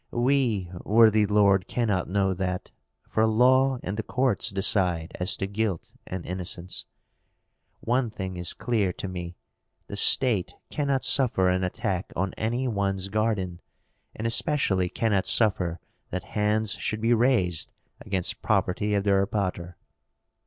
"We, worthy lord, cannot know that, for law and the courts decide as to guilt and innocence. One thing is clear to me, the state cannot suffer an attack on any one's garden, and especially cannot suffer that hands should be raised against property of the erpatr."